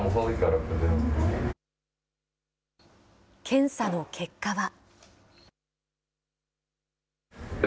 検査の結果は。